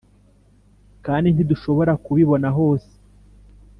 kandi ntidushobora kubibona hose.